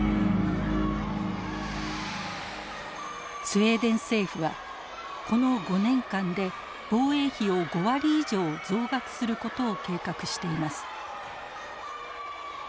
スウェーデン政府はこの５年間で防衛費を５割以上増額することを計画しています。